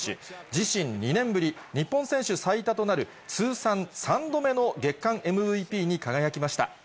自身２年ぶり、日本選手最多となる通算３度目の月間ＭＶＰに輝きました。